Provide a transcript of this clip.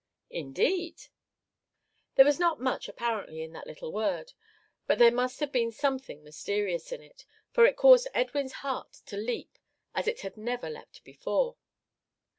"Indeed!" There was not much apparently in that little word, but there must have been something mysterious in it, for it caused Edwin's heart to leap as it had never leapt before.